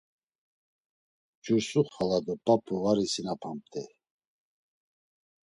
Cursu Xala do p̌ap̌u var isinapamt̆ey.